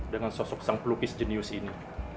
dengan sosok sang pelukis jenius ini